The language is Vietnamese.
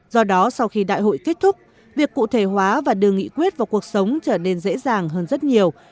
do đó sau khi đại hội kết thúc việc cụ thể hóa và đưa nghị quyết vào cuộc sống trở nên dễ dàng hơn rất nhiều